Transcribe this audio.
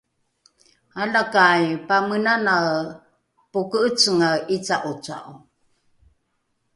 alakai pamenanae poke’ecengae ’ica’oca’o